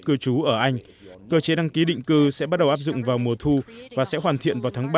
cư trú ở anh cơ chế đăng ký định cư sẽ bắt đầu áp dụng vào mùa thu và sẽ hoàn thiện vào tháng bảy